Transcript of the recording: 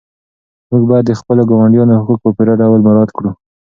موږ باید د خپلو ګاونډیانو حقوق په پوره ډول مراعات کړو.